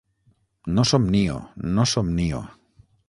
-No somnio, no somnio…